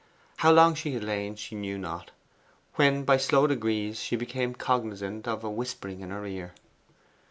How long she had lain, she knew not, when by slow degrees she became cognizant of a whispering in her ear.